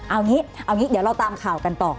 เอาอย่างนี้เดี๋ยวเราตามข่าวกันต่อ